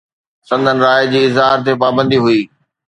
سندن راءِ جي اظهار تي پابندي هئي